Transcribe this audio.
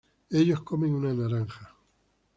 ellos comen una naranja